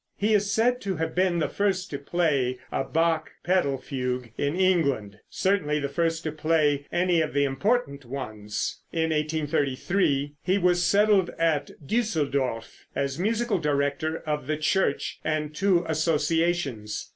He is said to have been the first to play a Bach pedal fugue in England, certainly the first to play any of the important ones. In 1833 he was settled at Düsseldorf, as musical director of the church and two associations.